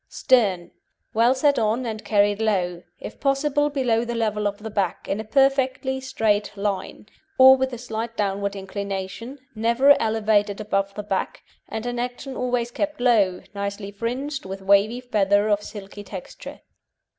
STERN Well set on, and carried low, if possible below the level of the back, in a perfectly straight line, or with a slight downward inclination, never elevated above the back, and in action always kept low, nicely fringed, with wavy feather of silky texture.